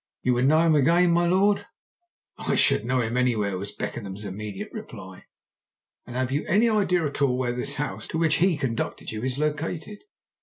You would know him again, my lord?" "I should know him anywhere," was Beckenham's immediate reply. "And have you any idea at all where this house, to which he conducted you, is located?"